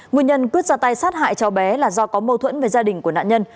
nguyên nhân quyết ra tay sát hại cháu bé là do có mâu thuẫn với gia đình của nạn nhân